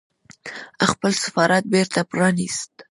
خپل سفارت بېرته پرانيست